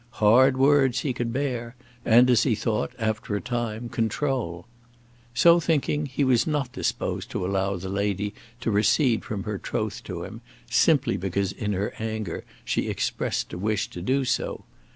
Hard words he could bear, and, as he thought, after a time control. So thinking, he was not disposed to allow the lady to recede from her troth to him, simply because in her anger she expressed a wish to do so.